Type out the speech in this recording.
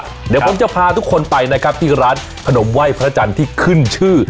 เดี๋ยวผมจะพาทุกคนไปนะครับที่ร้านขนมไหว้พระจันทร์ที่ขึ้นชื่อ